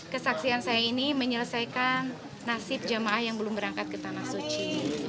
kesaksian saya ini menyelesaikan nasib jamaah yang belum berangkat ke tanah suci